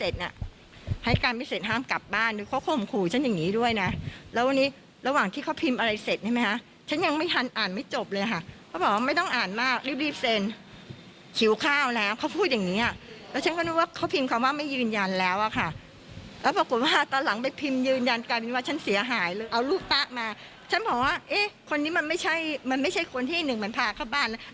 ฉันบอกว่าคนนี้มันไม่ใช่คนที่อีกหนึ่งมันพาเข้าบ้าน